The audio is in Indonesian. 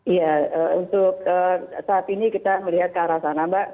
iya untuk saat ini kita melihat ke arah sana mbak